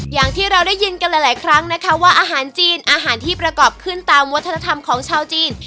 อย่างที่เราได้ยินกันหลายครั้งนะคะว่าอาหารจีนอาหารที่ประกอบขึ้นตามวัฒนธรรมของชาวจีน